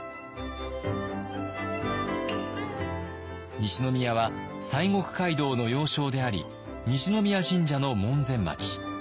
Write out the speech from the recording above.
西宮は西国街道の要衝であり西宮神社の門前町。